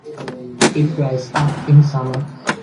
It dries up in summer.